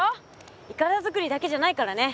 いかだ作りだけじゃないからね。